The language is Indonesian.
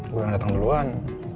gue yang datang duluan